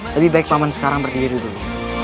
lebih baik paman sekarang berdiri dulu